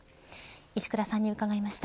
石倉さんに伺いました。